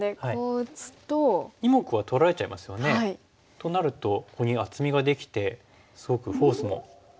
となるとここに厚みができてすごくフォースも。